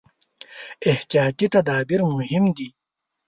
احتیاطي تدابیر مهم دي.